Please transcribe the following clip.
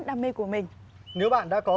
đam mê của mình nếu bạn đã có